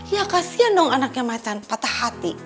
ya kasian dong anaknya maitan patah hati